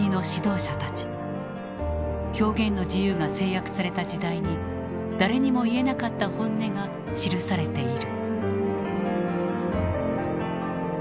表現の自由が制約された時代に誰にも言えなかった本音が記されている。